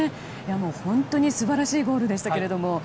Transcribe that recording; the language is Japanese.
本当に素晴らしいゴールでしたけれども。